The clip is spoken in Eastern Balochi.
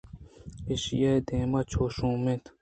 ایشی ءِ دیم چو شُومءَ اِنت